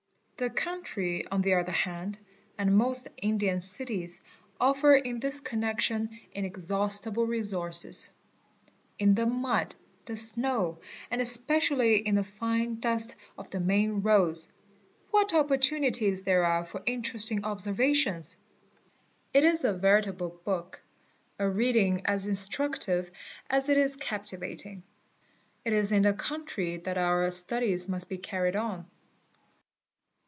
The country, on the other hand, and most India' ——— SS —_ —es ee: cities, offer in this connection inexhaustible resources: in the mud, th snow, and especially in the fine dust of the main roads, what oppor tunities there are for interesting observations! It is a veritable book, a reading as instructive as it is captivating. It isin the country that our ~ OBSERVATION OF FOOTPRINTS 485 studies must be carried on.